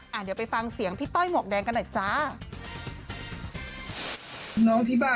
เดี๋ยวไปฟังเสียงพี่ต้อยหมวกแดงกันหน่อยจ้า